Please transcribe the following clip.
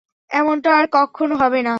এমনটা আর কক্ষনো হবে না।